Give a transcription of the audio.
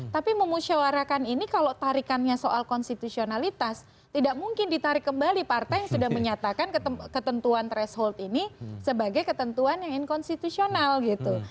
tapi memusyawarakan ini kalau tarikannya soal konstitusionalitas tidak mungkin ditarik kembali partai yang sudah menyatakan ketentuan threshold ini sebagai ketentuan yang inkonstitusional gitu